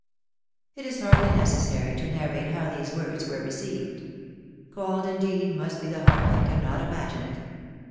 It is hardly necessary to narrate how these words were received. Cold indeed must be the heart that cannot imagine it